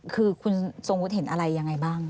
คือคุณทรงวุฒิเห็นอะไรยังไงบ้าง